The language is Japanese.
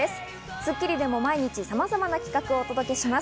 『スッキリ』でも毎日さまざまな企画をお届けします。